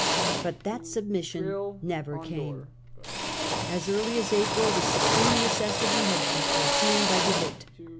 But that submission never came. As early as April the supreme necessity had been foreseen by De Witt.